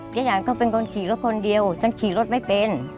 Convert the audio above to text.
ยานก็เป็นคนขี่รถคนเดียวฉันขี่รถไม่เป็น